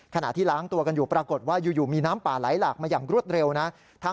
ขณะที่ล้างตัวกันอยู่ปรากฏว่าอยู่มีน้ำป่าไหลหลากมาอย่างรวดเร็วนะ